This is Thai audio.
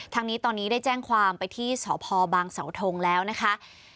ทางนี้ตอนนี้ได้แจ้งความไปที่สพบางเสาทงแล้วนะคะ